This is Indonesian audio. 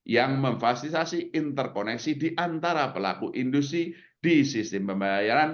yang memfasilisasi interkoneksi di antara pelaku industri di sistem pembayaran